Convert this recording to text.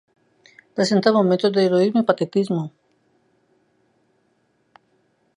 Presentan momentos de heroísmo y patetismo.